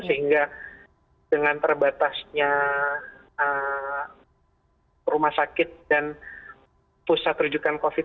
sehingga dengan terbatasnya rumah sakit dan pusat rujukan covid sembilan